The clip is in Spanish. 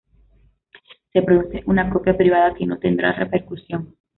Se produce una copia privada que no tendrá repercusión.